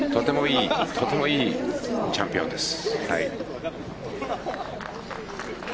とてもいいチャンピオンです。